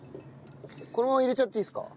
このまま入れちゃっていいですか？